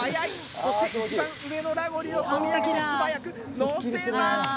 そして一番上のラゴリを素早くのせました！